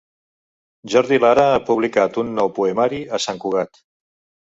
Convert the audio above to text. Jordi Lara ha publicat un nou poemari a Sant Cugat